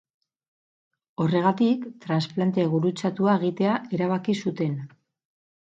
Horregatik, transplante gurutzatua egitea erabaki zuten.